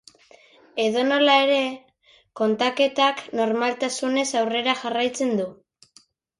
Edonola ere, kontaketak normaltasunez aurrera jarraitzen du.